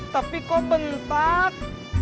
tapi kok bentak